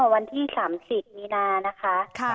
วันที่๓๐มีนานะคะ